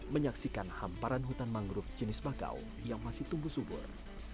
menyaksikan hamparan hutan mangrove jenis bakau yang masih tumbuh subur